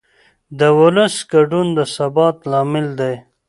د ولس ګډون د ثبات لامل دی